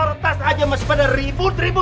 belum karena masuk sattwa